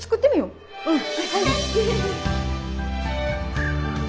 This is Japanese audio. うん！